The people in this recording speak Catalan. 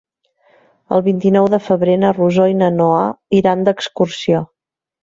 El vint-i-nou de febrer na Rosó i na Noa iran d'excursió.